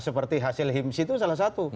seperti hasil himsi itu salah satu